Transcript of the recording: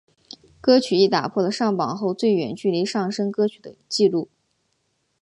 歌曲亦打破了上榜后最远距离上升歌曲的记录。